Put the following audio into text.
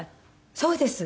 そうです。